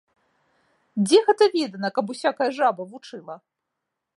Дзе гэта відана, каб усякая жаба вучыла!